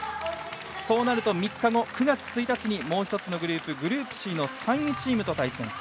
そうなると３日後、９月１日にもう１つのグループグループＣの３位チームと対戦。